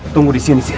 tunggu di sini sir